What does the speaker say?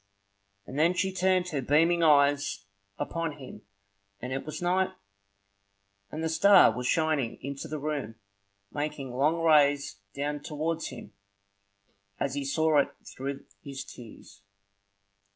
And then she turned her beaming eyes upon him and it was night; and the star was shining into the room, making long rays down towards him as he saw it through his tears.